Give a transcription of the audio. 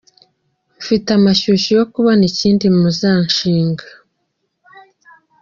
Mfite amashyushyu yo kubona ikindi muzashinga.